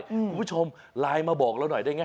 คุณผู้ชมไลน์มาบอกเราหน่อยได้ไง